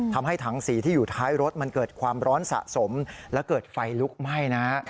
ทำให้ถังสีที่อยู่ท้ายรถมันเกิดความร้อนสะสมและเกิดไฟลุกไหม้นะฮะ